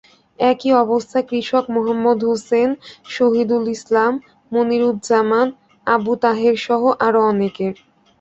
একই অবস্থা কৃষক মোহাম্মদ হোসেন, শহীদুল ইসলাম, মনিরুজ্জামান, আবু তাহেরসহ আরও অনেকের।